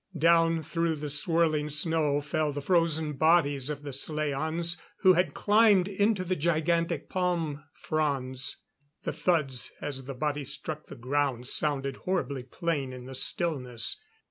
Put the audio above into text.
Down through the swirling snow fell the frozen bodies of the slaans who had climbed into the gigantic palm fronds. The thuds as the bodies struck the ground sounded horribly plain in the stillness.